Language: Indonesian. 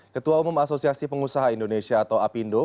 ketua umum asosiasi pengusaha indonesia atau apindo